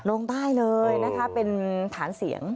ลงใต้เลยนะคะเป็นฐานเสียง